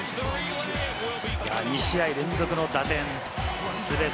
２試合連続の打点。